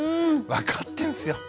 分かってんすよ。